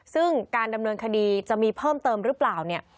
ซึ่งการดำเนินคดีจะมีเพิ่มเติมหรือเปล่าเนี่ย